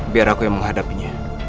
biar aku yang menghadapinya